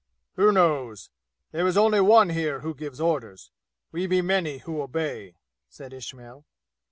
"Who knows? There is only one here who gives orders. We be many who obey," said Ismail.